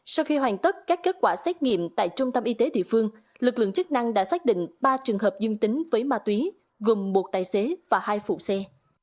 sau khi hoàn tất các kết quả xét nghiệm tại trung tâm y tế địa phương lực lượng chức năng đã xác định ba trường hợp dương tính với ma túy gồm một tài xế và hai phụ xe